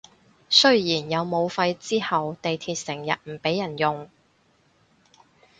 雖然有武肺之後地鐵成日唔畀人用